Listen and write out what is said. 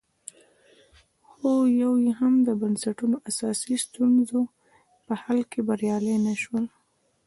خو یو یې هم د بنسټونو اساسي ستونزو په حل کې بریالي نه شول